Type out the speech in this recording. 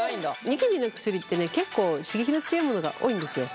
ニキビの薬ってね結構刺激の強いものが多いんですよ。